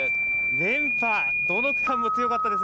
連覇、どの区間も強かったですね。